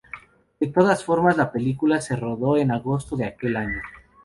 De todas formas la película se rodó en agosto de aquel año.